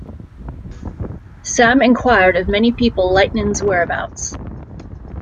Sam enquired of many people Lightnin's whereabouts.